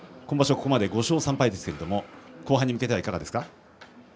ここまで５勝３敗ですけれども後半に向けていかがですか？